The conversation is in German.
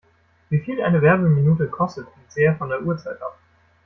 Wie viel eine Werbeminute kostet, hängt sehr von der Uhrzeit ab.